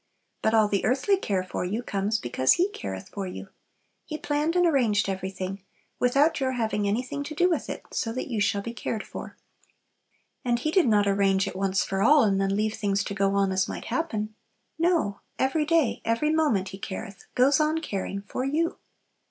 But all the earthly care for you comes because "He careth for you." He planned and arranged everything, without your having anything to do with it, so that you shall be cared for. And He did not arrange it once for all, and then leave things to go on as might happen. No! Every day, every moment, He careth, goes on caring, for you.